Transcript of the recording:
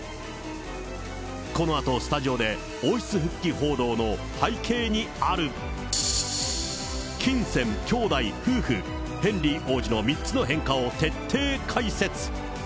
このあとスタジオで、王室復帰報道の背景にある金銭、兄弟、夫婦、ヘンリー王子の３つの変化を徹底解説。